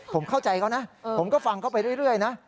ผมเข้าใจเขานะผมก็ฟังเขาไปเรื่อยนะ